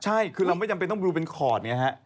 ใช่คือเราไม่จำเป็นต้องดูเป็นคอร์ดไงฮะ